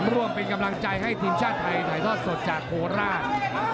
ร่วมเป็นกำลังใจให้ทีมชาติไทยถ่ายทอดสดจากโคราช